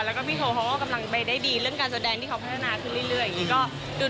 แล้วก็พี่โทฮทำกำลังไปได้ดีเรื่องการแสดงที่เขาพัฒนาขึ้นเรื่อย